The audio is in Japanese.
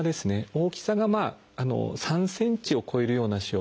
大きさが３ｃｍを超えるような腫瘍。